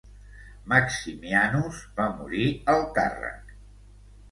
Maximianus va morir al càrrec.